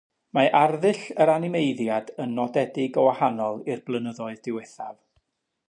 Mae arddull yr animeiddiad yn nodedig o wahanol i'r blynyddoedd diwethaf.